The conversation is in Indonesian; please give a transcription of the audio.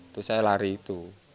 terus saya lari itu